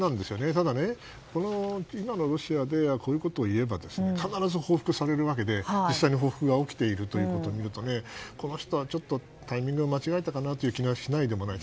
ただ、今のロシアでこういうことを言えば必ず報復されるわけで実際の報復が起きていることを見るとこの人はちょっとタイミングを間違えたかなという気がしないでもない。